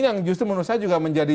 yang justru menurut saya juga menjadi